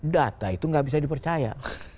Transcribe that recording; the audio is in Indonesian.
data itu nggak bisa dipercaya